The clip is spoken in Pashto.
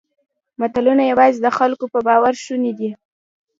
ملتونه یواځې د خلکو په باور شوني دي.